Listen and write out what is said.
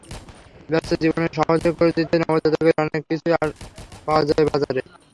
ব্যস্ত জীবনকে সহজ করে দিতে নবজাতকের অনেক কিছুই পাওয়া যায় বাজারে।